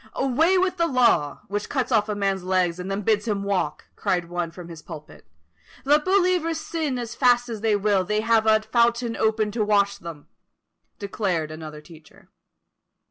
"Away with the Law! which cuts off a man's legs and then bids him walk!" cried one from his pulpit. "Let believers sin as fast as they will, they have a fountain open to wash them;" declared another teacher.